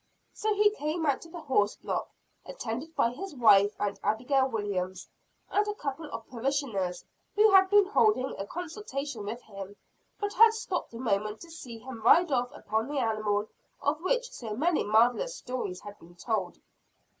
So he came out to the horse block, attended by his wife and Abigail Williams, and a couple of parishioners who had been holding a consultation with him, but had stopped a moment to see him ride off upon the animal of which so many marvelous stories had been told.